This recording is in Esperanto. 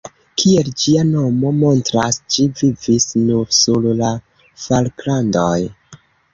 Kiel ĝia nomo montras, ĝi vivis nur sur la Falklandoj.